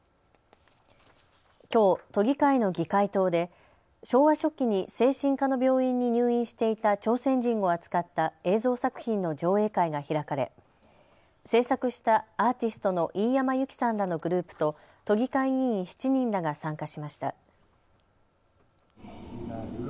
きょう、都議会の議会棟で昭和初期に精神科の病院に入院していた朝鮮人を扱った映像作品の上映会が開かれ制作したアーティストの飯山由貴さんらのグループと都議会議員７人らが参加しました。